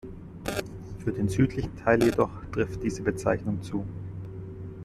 Für den südlichen Teil jedoch trifft diese Bezeichnung zu.